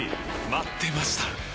待ってました！